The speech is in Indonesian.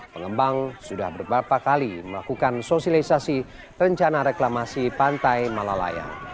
pengembang sudah beberapa kali melakukan sosialisasi rencana reklamasi pantai malalayang